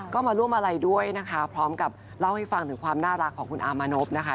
ก็มาร่วมอะไรด้วยนะคะพร้อมกับเล่าให้ฟังถึงความน่ารักของคุณอามานพนะคะ